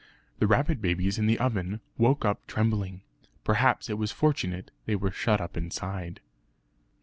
The rabbit babies in the oven woke up trembling; perhaps it was fortunate they were shut up inside.